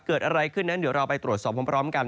เกิดอะไรขึ้นนั้นเดี๋ยวเราไปตรวจสอบพร้อมกัน